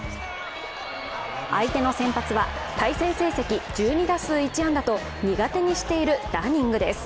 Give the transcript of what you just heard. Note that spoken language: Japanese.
相手の先発は、対戦成績１２打数１安打と苦手にしているダニングです。